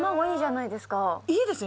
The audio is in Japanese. いいですね